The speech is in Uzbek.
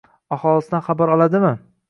Aholisidan xabar oladimi?